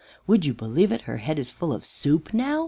"Would you believe it, her head is full of soup now?"